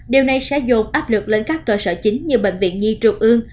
điều này sẽ dồn áp lực lên các cơ sở chính như bệnh viện nhi trung ương